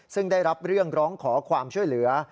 ซึ่งได้รับเรื่องร้องขอความช่วยเหลือ